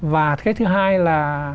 và cái thứ hai là